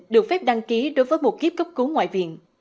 được phép đăng ký đối với mục kiếp cấp cứu ngoại viện